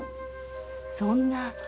そんな。